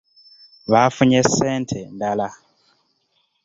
Baafunye ssente endala.